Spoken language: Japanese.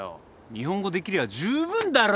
日本語できりゃ十分だろ。